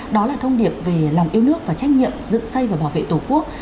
đó là thông điệp về lòng yêu nước và trách nhiệm dựng xây và bảo vệ tổ quốc